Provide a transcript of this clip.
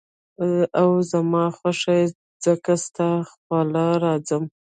او زما خوښ ئې ځکه ستا خواله راځم ـ